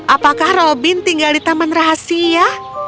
apakah robin tinggal di taman rahasia